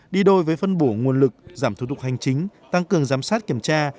đi đôi với phân bổ nguồn lực giảm thủ tục hành chính tăng cường giám sát kiểm tra